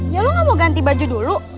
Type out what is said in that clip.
ya lo gak mau ganti baju dulu